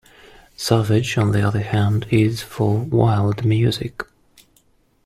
Savage, on the other hand, is for "wild" music.